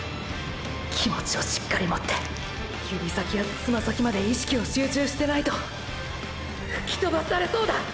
気持ちをしっかりもって指先やつま先まで意識を集中してないとふきとばされそうだ！！